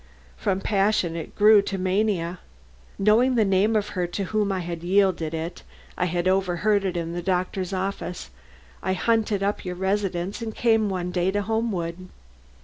From passion it grew to mania. Knowing the name of her to whom I had yielded it (I had overheard it in the doctor's office), I hunted up your residence and came one day to Homewood.